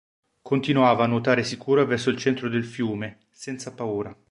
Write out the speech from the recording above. Continuava a nuotare sicura verso il centro del fiume, senza paura.